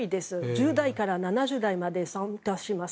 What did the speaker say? １０代から７０代まで参加します。